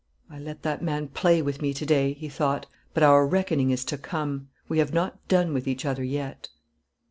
"I let that man play with me to day," he thought; "but our reckoning is to come. We have not done with each other yet."